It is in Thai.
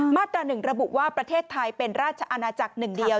มาตรา๑ระบุว่าประเทศไทยเป็นราชอาณาจักรหนึ่งเดียว